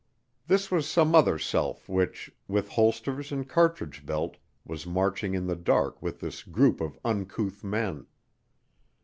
This was some other self which, with holsters and cartridge belt, was marching in the dark with this group of uncouth men.